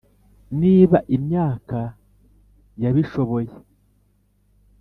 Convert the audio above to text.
niba imyaka yabishoboye. s